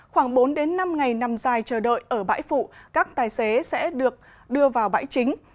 khoảng bốn năm ngày nằm dài chờ đợi ở bãi phụ các tài xế sẽ được đưa vào bãi chính